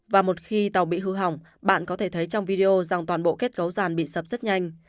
và một khi tàu bị hư hỏng bạn có thể thấy trong video rằng toàn bộ kết cấu ràn bị sập rất nhanh